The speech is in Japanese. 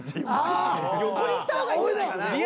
横にいった方がいいんじゃないかな。